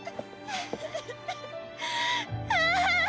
ああ！